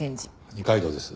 二階堂です。